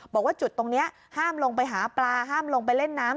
บอกว่าจุดตรงนี้ห้ามลงไปหาปลาห้ามลงไปเล่นน้ำ